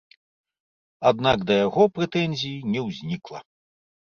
Аднак да яго прэтэнзій не ўзнікла.